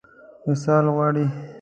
وصال غواړي.